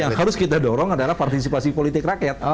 yang harus kita dorong adalah partisipasi politik rakyat